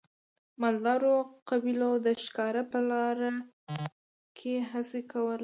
مالدارو قبیلو د ښکار په لاره کې هڅې کولې.